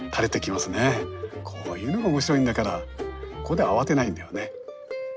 こういうのが面白いんだからここで慌てないんだよね。